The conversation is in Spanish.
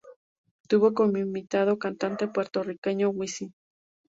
Tuvo como invitado al cantante puertorriqueño Wisin.